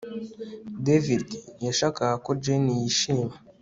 David yashakaga ko Jane yishima